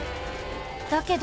だけど。